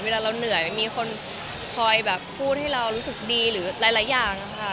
เวลาเราเหนื่อยมีคนคอยแบบพูดให้เรารู้สึกดีหรือหลายอย่างค่ะ